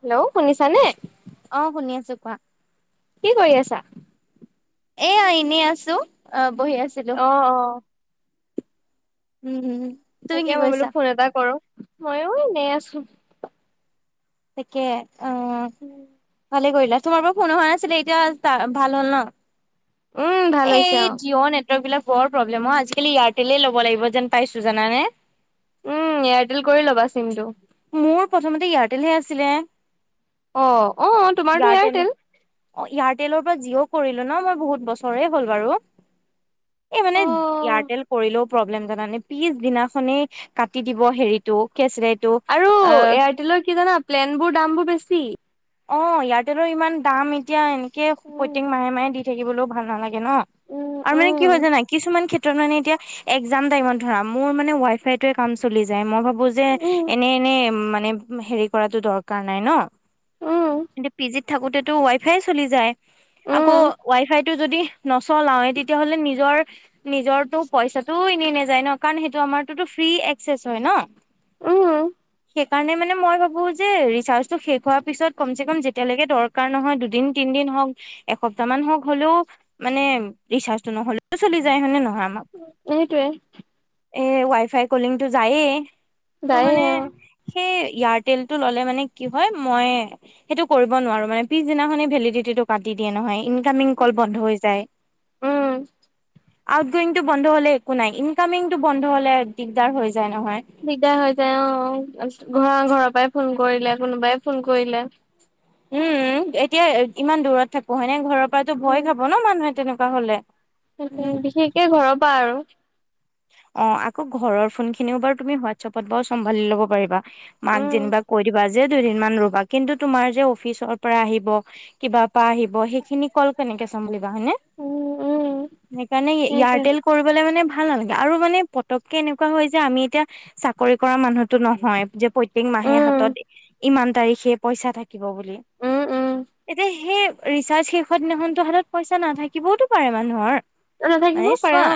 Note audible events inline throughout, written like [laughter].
Hello, শুনিছা নে? অ, শুনি আছো কোৱা? কি কৰি আছা? এয়া এনেই আছো। অ, বহি আছিলো। অ অ উম', উম'। তুমি তাকে কি মই বোলো কৰিছা ফোন এটা কৰো, মইও এনেই আছো। তাকে অ' ভালে কৰিলা, তোমাৰ পা ফোন অহা নাছিলে, এতিয়া ভাল হ'ল ন? উম ভাল হৈছে এই অ জিঅ' নেটৱৰ্ক বিলাক বৰ প্ৰব্লেম অ, আজিকালি এয়াৰটেলেই ল'ব লাগিব যেন পাইছো জানানে? উম এয়াৰটেল কৰি ল'বা চিমটো। মোৰ প্ৰথমতে এয়াৰটেলহে আছিলে। অ', অ' তোমাৰতো এয়াৰটেল। অ' এয়াৰটেলৰ পৰা জিঅ' কৰিলো ন' মই, বহুত বছৰেই হ'ল বাৰু। এই মানে অ এয়াৰটেল কৰিলেও প্ৰব্লেম জানানে, পিছদিনাখনেই কাটি দিব হেৰিত। টো কি আছিলে এইটো। আৰু অ এয়াৰটেলৰ কি জানা প্লেনবোৰ দামবোৰ বেছি। অ' এয়াৰটেলৰ ইমান দাম এতিয়া, এনেকে উম প্ৰত্যেক মাহে মাহে দি থাকিবলৈও ভাল নালাগে। ন উম আৰু উম মানে কি হয় জানা, কিছুমান ক্ষেত্ৰ মানে এতিয়া একজাম টাইমত ধৰা মোৰ মানে ৱাই ফাইটোৱে কাম চলি যায়, মই ভা যে উম এনে, এনে মানে হেৰি কৰাটো দৰকাৰ নাই ন। উম কিন্তু পি জিত থাকোতেতো ৱাই ফাই চলি যায়। আকৌ উম ৱাই ফাইটো যদি নচলায়েই, তেতিয়াহলে নিজৰ নিজৰটো পইচাটো এনে নাযায় ন', কাৰণ সেইটো আমাৰতোতো ফ্ৰী একচেচ হয় ন'। উম সেইকাৰণে মানে মই ভাবোঁ যে, ৰিচাৰ্চটো শেষ হোৱাৰ পিছত। কমচে কম যেতিয়ালৈকে দৰকাৰ নহয় দুদিন তিনদিন হওঁক এসপ্তাহ মান হওঁক হ'লেও মানে ৰিচাৰ্জটো নহ'লেও চলি যায় হয় নে নহয় আমাক। এইটোৱে ৱাই ফাই কলিংটো যায়েই ত' যায়ে মানে অ সেই ইয়াৰতেলটো ল'লে মানে কি হয় মই সেইটো কৰিব নোৱাৰো মানে পিছদিনাখনেই ভেলিডিটিটো কাটি দিয়ে নহয়, ইন ইনকামিং কল বন্ধ হৈ যায়। উম আউটগয়িংটো বন্ধ হ'লে একো নাই, ইনকামিংটো বন্ধ হ'লে দিগদাৰ হৈ যায় নহয়। দিগদাৰ হৈ যায় অ'। ঘ ঘৰৰ পৰাই ফোন কৰিলে কোনোবাই ফোন কৰিলে উম, এতিয়া ইমান দূৰত থাকো হয়নে? ঘৰৰ পৰাতো উম ভয় খাব ন' মানুহে তেনেকুৱা হ'লে। উম, বিশেষকে ঘৰৰ পৰা আৰু। অ' আকৌ ঘৰৰ ফোনখিনিও বাৰু তুমি হোৱাটছএপত বাৰু চম্ভালি ল'ব পাৰিবা। মাক উম যেনিবা কৈ দিবা যে দুদিন মান ৰ'বা কিন্তু তোমাৰ যে অফিচৰ পৰা আহিব। কিবা পা আহিব সেইখিনি কল কেনেকে চম্ভালিবা হয়নে? উম উম সেইকাৰণে সেইটোৱে ইয়াৰটেল কৰিবলে মানে ভাল নালাগে। আৰু মানে পতককে এনেকুৱা হয় যায় আমি এতিয়া চাক চাকৰি কৰা মানুহতো নহয় যে প্ৰত্যেক মাহে উম হাতত ইমান তাৰিখে পইচা থাক থাকিব বুলি, উম উম এতিয়া সেই ৰিচাৰ্জ শেষ হোৱাৰ দিনাখনটো হাতত পইচা নাথাকিবওতো পাৰে মানুহৰ। মানে নাথাকিবও পাৰে চোৱা অ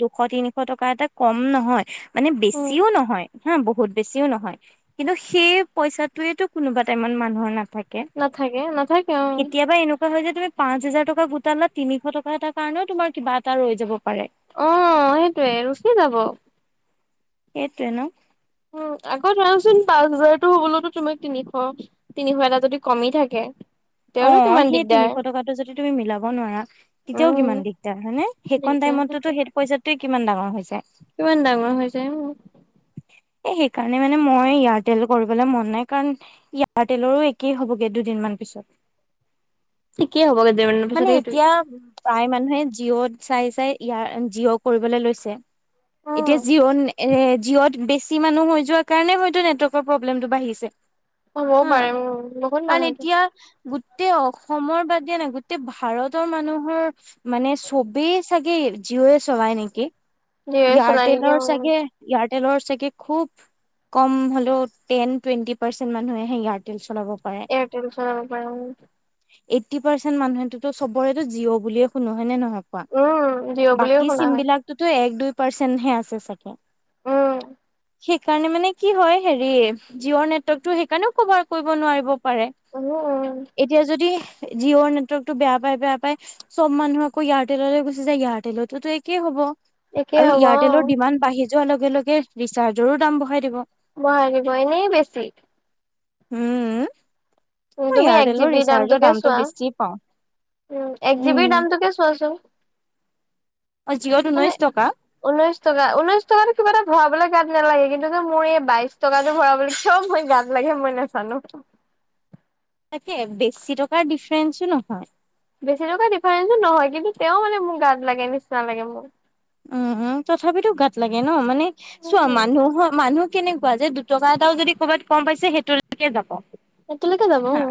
দুশ তিনিশ টকা এটা কম নহয় মানে উম বেছিও নহয়। বহুত বেছিও নহয়। কিন্তু সেই পইছাটোৱেটো কোনোবা টাইমত মানুহৰ নাথাক নাথাকে নাথাকে অ কেতিয়াবা এনুক হয় যে তুমি পাঁচ হাজাৰ টকা গোটালা তিনিশ টকা এটাৰ কাৰণেও তোমাৰ কিবা এটা ৰৈ যাব পাৰে। অ' সেইটোৱে ৰখি যাব। এইটোৱে ন' উম, আকৌ ধৰাচোন পাঁচ হাজাৰতো হ'বলটো তোমাক তিনিশ তিনিশ এটা যদি কমি থাকে তেওঁৰো অ' কিমান সেই দিগদাৰ তিনিশ টকাটো যদি তুমি মিলাব নোৱাৰা। তেতিয়াও উম কিমান দিগদাৰ হয় নে? সেইকন দিগদাৰ টাইমতটো সেইটোৱে সেই পইচাটোৱে কিমান ডাঙৰ হৈ যায়। কিমান ডাঙৰ হৈ যায় উম। এ সেইকাৰণে মানে মই এয়াৰটেল কৰিবলৈ মন নাই কাৰণ ইয়াৰটেলৰো একেই হ'বগে দুদিনমান পিছত। একেই হ'বগে দুদিনমানৰ মানে পিছত সেইটোৱে। এতিয়া প্ৰায় মানুহে জিঅ' চাই চাই ইয়াৰ জিঅ' কৰিবলে লৈছে। উম এতিয়া জীৱন এ জিঅ'ত বেছি মানুহ হৈ যোৱা কাৰণে হয়তো নেটৱৰ্কৰ প্ৰব্লেমটো বাঢ়িছে। হ'বও পাৰে উম বহুত কাৰণ মানুহতো এতিয়া গো গোটেই অসমৰ বাদ দিয়া না গোটেই ভাৰতৰ মানুহৰ মানে চবেই চাগে জিঅ'য়ে চলাই নেকি? জিঅ'য়ে চলাই নেকি ইয়াৰটেলৰ উম চাগে ইয়াত [unintelligible] চাগে খুব কম হ'লেও টেন টুৱেণ্টি পাৰ্চেন্ট মানুহেহে ইয়াৰটেল চলাব। পাৰে। এয়াৰটেল চলাব পাৰে উ। এইটি পাৰ্চেন্ট মানুহেটো চবৰেটো জিঅ' বুলিয়ে শুনো হয় নে নহয়? উম জিঅ' বুলিও বাকী শুনা চিম হয় বিলাকটোতো এক দুই পাৰ্চেন্টহে আছে চাগে। উম সেইকাৰণে মানে কি হয় হেৰি জিঅ'ৰ নেটৱৰ্কটো সেইকাৰণেও কভাৰ কৰিব নোৱাৰিব পাৰে। উম। এতিয়া যদি জিঅ'ৰ নেটৱৰ্কটো বেয়া পায়, বেয়া পায় চব মানুহ আকৌ এয়াৰটেললৈ গুচি যায়, এয়াৰটেলতোতো একেই হ'ব। একেই আৰু হ'ব অ এয়াৰটেলৰ ডিমাণ্ড বাঢ়ি যোৱাৰ লগে, লগে ৰিচাৰ্জৰো দাম বঢ়াই দিব। বহাই দিব এনেই বেছি। উম, উম। উম, মই তুমি এক জি এয়াৰটেলৰ বিৰ ৰিচাৰ্জৰ দামটোকে দামটো চোৱা বেছি পাওঁ, উম। তাকে চোৱাচোন। অ', জিঅ'ত মানে ঊনৈশ টকা! ঊনৈশ টকা। ঊনৈশ টকাটো কিবা এটা ভৰাবলে গাত নালাগে, কিন্তু মোৰ এই বাইশ টকাটো ভৰাবলৈ চব মই গাত লাগে মই নাজানো। তাকে বেছি টকাৰ ডিফাৰেন্ঞ্চো নহয়। বেছি টকা ডিফাৰেন্ঞ্চো নহয়, কিন্তু তেওঁ মানে মোৰ গাত লাগে নিচিনা লাগে মোক। উম, উম। তথাপিতো গাত লাগে ন মানে চোৱা উম মানুহৰ, মানুহ কেনেকুৱা যে দুটকা এটাও যদি কৰ'বাত কম পাইছে, সেইটোলৈকে যাব। সেইটো লৈকে যাব অ'। হা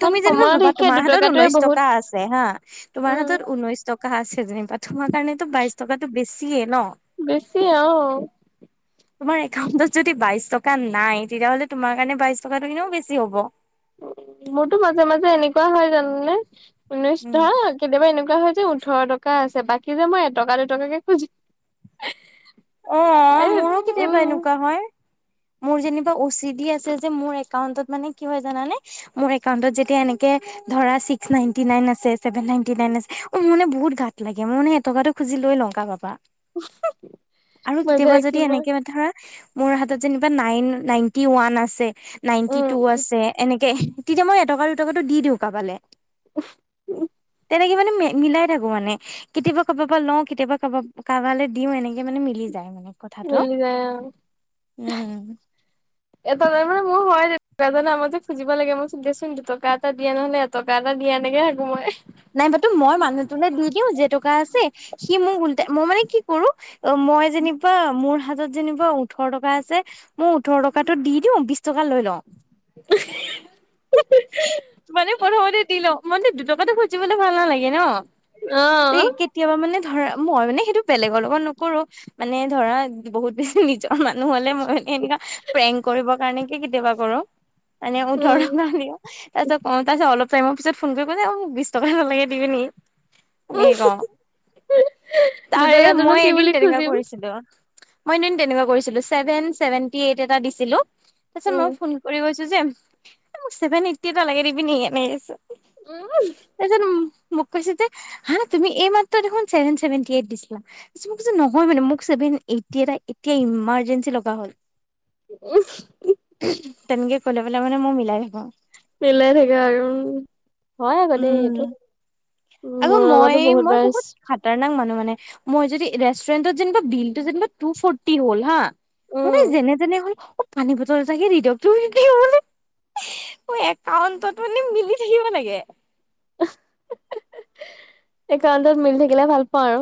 কাৰণ তুমি যেনিবা সময়ত ভাবা, সেই তোমাৰ হাতত দুটকাটোৱে ঊনৈশ বহুত টকা আছে হা। তোমাৰ উম হাতত ঊনৈশ টকা কা আছে যেনিবা, তোমাৰ কাৰণেতো বাইশ টকাটো বেছিয়ে ন'! বেছিয়ে অ'। তোমাৰ একাউণ্টত যদি বাইশ টকা নাই, তেতিয়াহ'লে তোমাৰ কাৰণে বাইশ টকাটো এনেও বেছি হ'ব। মোৰতো মাজে, মাজে এনেকুৱা হয়, জানানে ঊনৈশ উম ধৰা কেতিয়াবা এনেকুৱা হয়, যে ওঠৰ টকা আছে। বাকী যে মই এটকা দুটকাকে খুজি [unintelligible] এ অ', মোৰো কেতিয়াবা উম এনেকুৱা হয়। মোৰ যেনিবা অ'চি ডি আছে যে মোৰ একাউন্টত মানে কি হয়, জানানে মোৰ একাউন্টত যেতিয়া এনেকে ধৰা ছিক্স নাইনটি নাইন আছে, ছেভেন নাইনটি নাইন আছে, অ', মোৰ মানে বহুত গাত লাগে। মোৰ মানে এটকাটো খুজি লৈ লওঁ। [unintelligible] [inaudible] আৰু কেতিয়াবা বজাই যদি কিবা এনেকে ধৰা মোৰ হাতত যেনিবা নাইন নাইনটি ওৱান আছে। নাইনটি টু উম আছে, এনেকে। তেতিয়া মই এটকা দুটকাটো দি দিওঁ কাবালে। [inaudible] তেনেকে মানে মিলাই থাকো মানে। কেতিয়াবা কাৰবাব পৰা লওঁ, কেতিয়াবা কাৰবা- কাৰবালে দিওঁ এনেকে মানে মিলা লি যায় মানে। কথাটো মিলি যায় অ'। উম এটা টাইমত মোৰ হয়, দেট আমতে খুজিব লাগে। মই দে চোন দুটকা এটা দিয়া নহ'লে টকা এটা দিয়া এনেকে থাকোঁ মই। নাই বা তো মই মানুহটোলৈ দি দিওঁ যে টকা আছে। সি মোৰ উল্টাই, মই মানে কি কৰোঁ অ', মই যেনিবা মোৰ হাতত যেনিবা ওঠৰ টকা আছে। মই ওঠৰ টকাতো দি দিওঁ, বিশ টকা লৈ লওঁ। মানে প্ৰথমতে দি লওঁ। মানে দুটকাটো খুজিবলৈ ভাল নালাগে ন। তে অ'। কেতিয়াবা মানে ধৰা, মই মানে সেইটো বেলেগৰ লগত নকৰোঁ, মানে ধৰা বহুত বেছি নিজৰ মানুহ হ'লে মই মানে এনেকুৱা পেং কৰিবৰ কাৰণে কি কেতিয়াবা কৰোঁ। আ মানে ওঠৰ উম টকা দিওঁ। তাৰপাছত তাৰপিছত অলপ টাইমৰ পিছত ফোন কৰি বিশ টকা এটা লাগে দিবি নেকি! [unintelligible] তাৰে, দুটকাটোনো মই কি বুলি এদিন তেনেকা খুজিম কৰিছিলোঁ। মই এদিন তেনেকুৱা কৰিছিলোঁ। চেভেন চেভেন্টি এইট এটা দিছিলোঁ। তাৰপিছত, উম মই ফোন কৰি কৈ যে, এ মোক, চেভেন এইটটি এটা লাগে, দিবিনি? এনে কৈছোঁ। উম! তাৰপিছত, মোক কৈছে যে, হা! তুমি এইমাত্ৰ দেখোন, চেভেন চেভেনটি এইট দিছিলা। [unintelligible] মই কৈছোঁ, নহয় মানে। মোক, চেভেন এইটটি এটা এতিয়া, ইমাৰ্জেঞ্চি লগা হ'ল। উম! তেনেকে ক'লে পেলাই মানে, মই মিলাই থাকোঁ। মিলাই থাকে আৰু। হয় আকৌ দেই উম এইটো। আকৌ মোৰ মই লগতো বহুত মই বাৰ হৈছে। খাতাৰনাক মানুহ মানে! মই যদি, ৰেষ্টুৰেণ্টত যেনিবা বিলটো যেনিবা, টু ফৰ্টি হ'ল হা, উম মানে, যেনে-তেনে [unintelligible] অ' পানী বটল এটাকে দি দিয়ক। তুমি সেনেকেহে বোলে। [unintelligible] একাউন্টত মানে, মিলি থাকিব লাগে। একাউণ্টত মিলি থাকিলে, ভাল পাওঁ আৰু।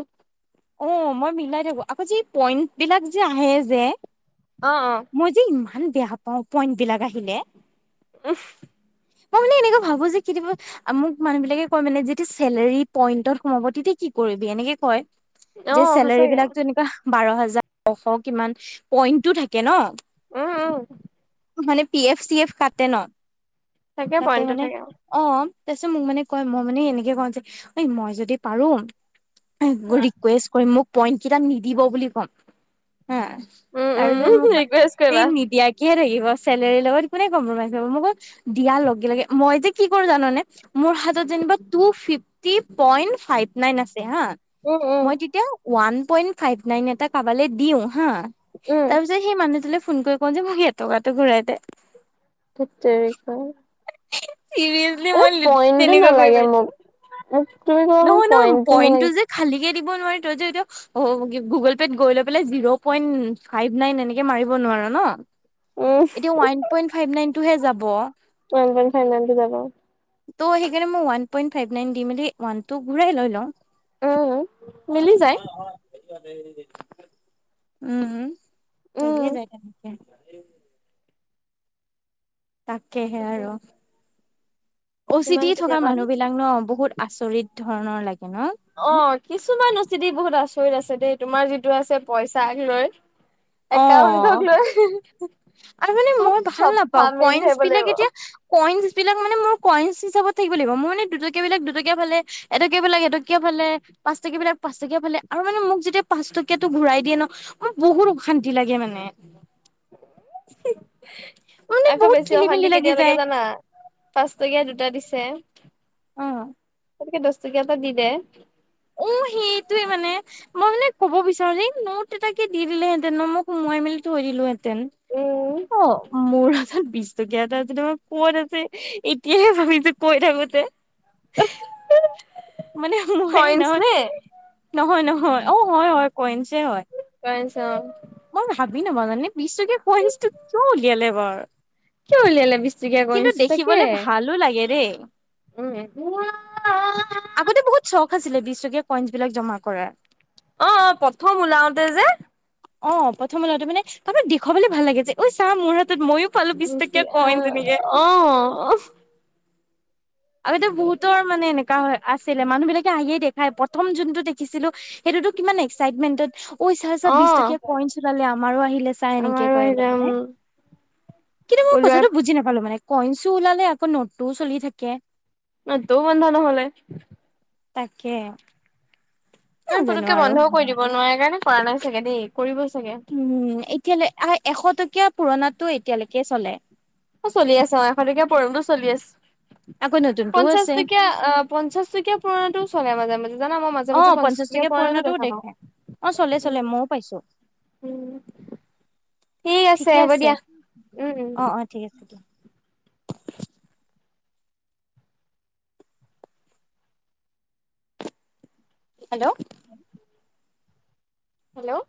অ'! মই মিলাই থাকোঁ। আকৌ যি, পইণ্ট বিলাক যে আহে যে, অ'! অ'! মই যে ইমান বেয়া পাওঁ! পইন্ট বিলাক আহিলে। [unintelligible] মই মানে, এনেকুৱা ভাবোঁ যে, কেতিয়াবা মোক মানুহ বিলাকে কয় মানে, যেতিয়া চেলাৰী পইণ্টত সোমাব, তেতিয়া কি কৰিবি? এনেকে কয়। যে অ', চেলাৰী সঁচাকে বিলাক যেনিবা, বাৰ হাজাৰ নশ কিমান। পইন্টটো থাকে ন'। উম, উম। মান, পি এফ- চি এফ কাটে ন'? থাকে কাটে পইণ্টটো মানে, থাকে। অ'! তাৰপিছত মোক মানে কয়, মই মানে, এনেকে কওঁ যে, এ, মই যদি পাৰোঁ ৰিকুৱেষ্ট কৰিম, মোক পইন্ট কেইটা নিদিব বুলি ক'ম। হাঁ! উম, উম, তাৰপিছত মোক [unintelligible] ৰিকুৱেষ্ট কৰিবা। এই, নিদিয়াকেহে থাকিব। চেলাৰীৰ লগত কোনে কম্প্ৰমাইজ কৰিব। মই কওঁ, দিয়াৰ লগে-লগে, মই যে কি কৰোঁ জানানে! মোৰ হাতত যেনিবা, two fifty point five nine আছে হা। উম, উম, মই তেতিয়া, ওৱান পইণ্ট ফাইভ এটা কাৰবালে দিওঁ হা। ‌ উম। তাৰপিছত, সেই মানুহটোলে ফোন কৰি কওঁ যে, মোক এটকাতো ঘূৰাই দে। ধেৎ তেৰিকা! [unintelligible] চিৰিয়াচলি, এ মই পইণ্টটো তেনেকুৱা কৰি নালাগে পাইছোঁ। [unintelligible] তুমি ক'বা মোক, পইণ্টটো নালাগে। খালিকে দিব নোৱাৰি ত'। [unintelligible] অ'! গুগল পে'ত গৈ লৈ পেলাই, জিৰ' পইণ্ট ফাইভ নাইন, এনেকে মাৰিব নোৱাৰা ন'? উম, এতিয়া, ওৱান পইণ্ট ফাইভ নাইন টোহে যাব। ওৱান পইণ্ট ফাইভ নাইনটো যাব। ত' সেইকাৰণে, মই ওৱান পইন্ট ফাইভ নাইন দি মেলি, ওৱানটো ঘূৰাই লৈ লওঁ। উম, মিলি যায় [unintelligible] উম, উম। উম, [unintelligible] তাকেহে তাকে আৰু। অচি কিমান ডি থকা কেতিয়াবা মানুহবিলাক ন' বহুত আচৰিত ধৰণৰ লাগে ন'! অ'! কিছুমান অচি ডি বহুত আচৰিত আছে, দেই! তোমাৰ যিটো আছে, পইচাক লৈ। একাউন্টক অ'! লৈ আৰু মানে, চব মই ভাল চব ফা নাপাওঁ! মিলি থাকিব কইনচবিলাক লাগিব। এতিয়া, কইনচ বিলাক মানে, মোৰ কইনচ হিচাপত থাকিব লাগিব। মোৰ মানে, দুটকীয়াবিলাক দুটকীয়া ফালে, এটাটো কি কৰিব লাগে এইটো কিয় ফালে পাঁচটকীয়া বিলাক পাঁচটকীয়া ফালে আৰু মানে মোক যেতিয়া পাঁচটকীয়াতো ঘূৰাই দিয়ে ন মই বহুত অশান্তি লাগে মানে। হিহ মানে আকৌ বহুত বেছি খেলি মেলি অশান্তি লাগি কেতিয়া লাগে যায় জানা পাঁচটকীয়া দুটা দিছে উম তাতকে দহটকীয়া এটা দি দে অ সেইটোৱে মানে মই মানে ক'ব বিচাৰো যে নোট এটাকে দি দিলেহেঁতেন ন মোক সোমোৱাই মেলি থৈ দিলোহেঁতেন উম হেতেন অ মোৰ হাতত বিচ টকীয়া এটা যদি কত আছে এতিয়াহে ভাবিছো কৈ থাকোতে। মানে মই কইনচ সেইদিনাখন নে নহয় নহয় অ হয় হয় কইনচে হয় কইনচ অ মই ভাবি নাপাওঁ জানে বিছটকীয়া কইনচটো কিয় উলিয়ালে বাৰু কিয় উলিয়ালে বিছটকীয়া কিন্তু কইনচটো তাকে। দেখিবলে ভালো লাগে দেই উম একুৱা আ আহ আগতে বহুত চখ আছিলে বিছ টকীয়া কইনচ বিলাক জমা কৰা। অ অ প্ৰথম ওলাওতে যে অ প্ৰথম ওলাওতে মানে কাৰোবাক দেখুৱাবলৈ ভাল লাগে যে ঐ চাহ মোৰ হাতত মইয়ো পালো বিছ টকীয়া কইন তেনেকে অ অ আগতে বহুতৰ মানে এনেকা হয়। আছিলে মানুহ বিলাকে আহি দেখাই প্ৰথম যোনটো দেখিছিলো সেইটোতো কিমান এক্সাইটমেন্টত। ঐ চা চা অ বিছ টকীয়া কইনচ ওলালে আমাৰো আহিলে চা এনেকে আমাৰো কয় আহিলে এইবিলাক উম মানে কিন্তু মই ওলোৱাৰ কথাটো বুজি নাপালো মানে কইনছো ওলালে আকৌ নোটটোও চলি থাকে। অ দৌ বন্ধা নহ'লে তাকে নহয় নাজানো পতককে আৰু বন্ধও কৰি দিব নোৱাৰাৰে কাৰণে কৰা নাই চাগে দেই কৰিব চাগে। উম এতিয়ালে আ এশ টকীয়া পুৰণাতো এতিয়ালৈকে চলে। অ চলি আছে অ এশ টকীয়া পুৰণাটো চলি আছে। আকৌ ন পঞ্চাছটকীয়া অ পঞ্চাছ টকীয়া পুৰণাতো চলে মাজে মাজে জানা মই মাজে অ মাজে পঞ্চাছ পঞ্চাশ টকীয়া পুৰণাতো পুৰণাটোও দেখা পাওঁ। দেখে অ চলে উম চলে মইও পাইছো উম ঠিক আছে হ'ব দিয়া উম উম অ অ ঠিক আছে দিয়া। হেল্ল' [unintelligible] হেল্ল'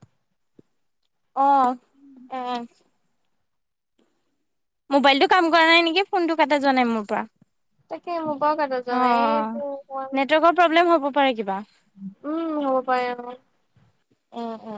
অ আ মোবাইলটো কাম কৰা নাই নেকি ফোনটো কাটা যোৱা নাই মোৰ পৰা। তাকে মোৰ পৰা কটা যোৱা অ', নাই এইটো অ'। অকমান নেটৱৰ্কৰ প্ৰব্লেম হ'ব পাৰে কিবা উম হব পাৰে অ অ অ